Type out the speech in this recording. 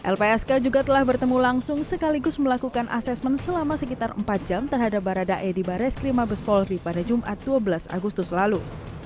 lpsk juga telah bertemu langsung sekaligus melakukan asesmen selama sekitar empat jam terhadap baradae di bares krim mabes polri pada jumat dua belas agustus lalu